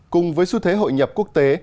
cùng với xu thế hội nhập quốc tế